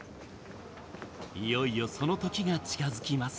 いよいよ、そのときが近づきます。